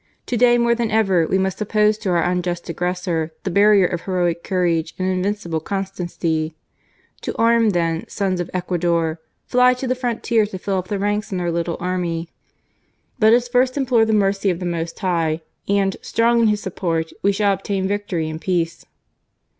To day more than ever, we must oppose to our unjust aggressor, the barrier of heroic, courage and invincible constancy. To arms then, sons of Ecuador ! Fly to the frontier to fill up the ranks in our little army. Let us first implore the mercy of the Most High, and, strong in His support, we shall obtain victory and peace."